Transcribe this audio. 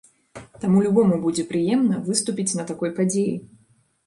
Таму любому будзе прыемна выступіць на такой падзеі.